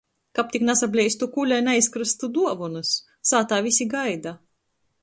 Kab tik nasapleistu kule i naizkrystu duovonys. Sātā vysi gaida.